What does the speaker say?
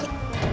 ini aja deh